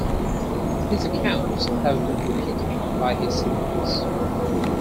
His accounts have been repeated by his siblings.